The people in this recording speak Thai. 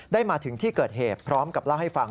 มาถึงที่เกิดเหตุพร้อมกับเล่าให้ฟัง